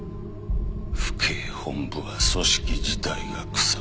府警本部は組織自体が腐ってる。